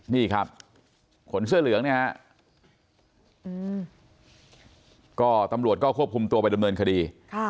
นี่ครับคนเสื้อเหลืองเนี่ยฮะก็ตำรวจก็ควบคุมตัวไปดำเนินคดี